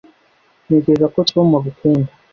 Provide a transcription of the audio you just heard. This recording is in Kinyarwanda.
ntekereza ko tom agukunda